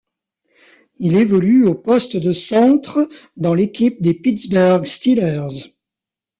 Il évolue au poste de centre dans l'équipe des Pittsburgh Steelers.